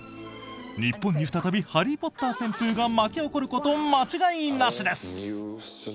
日本に再び「ハリー・ポッター」旋風が巻き起こること間違いなしです！